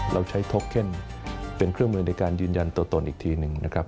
เราใช้ท็กเช่นเป็นเครื่องมือในการยืนยันตัวตนอีกทีหนึ่งนะครับ